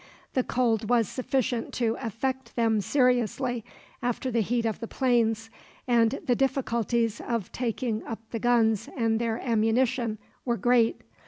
The cold was sufficient to affect them seriously, after the heat of the plains; and the difficulties of taking up the guns and their ammunition were great.